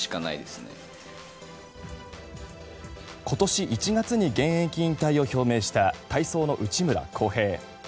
今年１月に現役引退を表明した体操の内村航平。